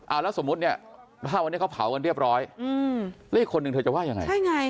เอาแล้วสมมุติเนี่ยถ้าวันนี้เขาเผากันเรียบร้อยอืมแล้วอีกคนนึงเธอจะว่ายังไงใช่ไง